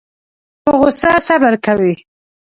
په غوسه صبر کوي.